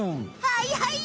はいはい！